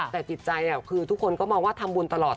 แต่จิตใจคือทุกคนก็มองว่าทำบุญตลอด